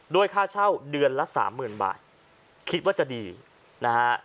ค่าเช่าเดือนละสามหมื่นบาทคิดว่าจะดีนะฮะ